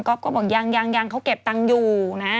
ก็บอกยังเขาเก็บตังค์อยู่นะ